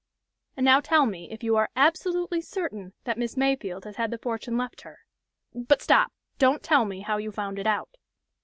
And now tell me, if you are absolutely certain that Miss Mayfield has had that fortune left her. But stop! don't tell me how you found it out!"